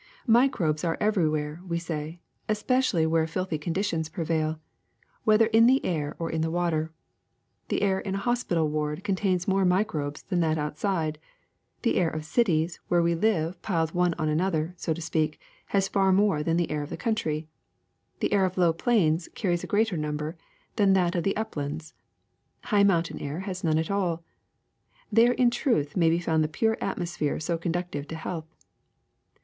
^'Microbes are everywhere, we say, especially where filthy conditions prevail, whether in the air or in the water. The air in a hospital ward contains more microbes than that outside; the air of cities, where we live piled one on another, so to speak, has far more than the air of the country ; the air of low plains carries a greater number than that of the up lands. High mountain air has none at all. There in truth may be found the pure atmosphere so con ducive to health.